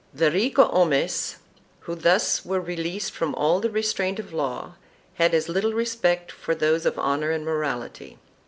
1 The ricosomes who thus were released from all the restraint of law had as little respect for those of honor and morality.